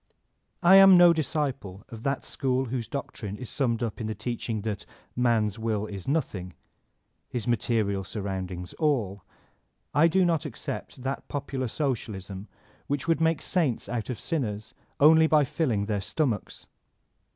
178 VOLTAIRINE DB CtBYftE I am no disciple of that school whose doctrine is stmimed up in the teaching that Man's Will is nothing, his Material Surroundings 2l11« I do not accept that popu lar socialism which would make saints out of sinners only by filling their stomachs.